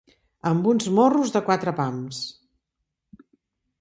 Amb uns morros de quatre pams.